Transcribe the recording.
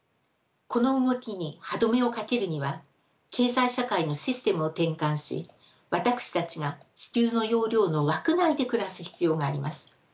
この動きに歯止めをかけるには経済社会のシステムを転換し私たちが地球の容量の枠内で暮らす必要があります。